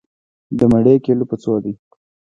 د مڼې کيلو په څو دی؟